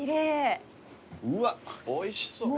うわおいしそう。